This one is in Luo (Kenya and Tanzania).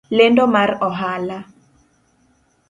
Lendo mar ohala